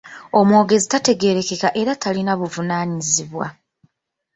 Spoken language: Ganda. Omwogezi tategeerekeka era talina buvunaanyizibwa.